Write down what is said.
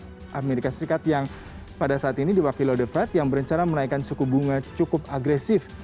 bank amerika serikat yang pada saat ini diwakil odefat yang berencana menaikkan suku bunga cukup agresif